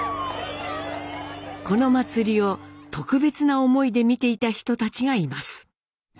この祭りを特別な思いで見ていた人たちがいます。